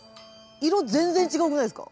色全然違くないですか？